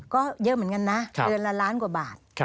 ก็เยอะเหมือนกันนะเดือนละล้านกว่าบาท